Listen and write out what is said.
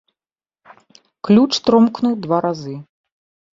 Ключ тромкнуў два разы.